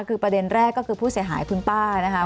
คือประเด็นแรกก็คือผู้เสียหายคุณป้านะคะ